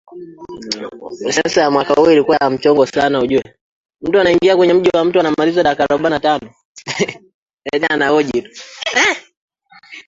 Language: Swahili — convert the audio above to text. nchi ya Canada katika mgodi wa Diavik